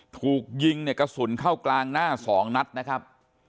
ถูกยิงเนี่ยกระสุนเข้ากลางหน้า๒นัดนะครับ